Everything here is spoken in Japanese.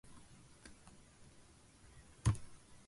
群馬県神流町